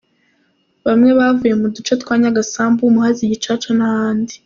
Bamwe bavuye mu duce twa Nyagasambu, Muhazi, Gicaca n’ahandi.